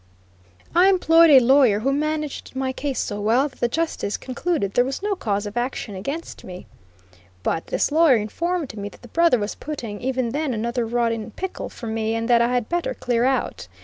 I employed a lawyer who managed my case so well that the justice concluded there was no cause of action against me. But this lawyer informed me that the brother was putting, even then, another rod in pickle for me, and that I had better clear out.